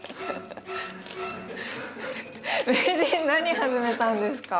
名人何始めたんですか？